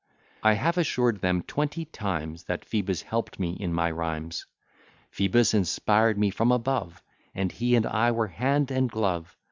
I have assur'd them twenty times, That Phoebus help'd me in my rhymes; Phoebus inspired me from above, And he and I were hand and glove.